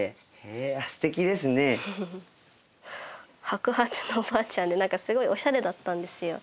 白髪のおばあちゃんで何かすごいオシャレだったんですよ。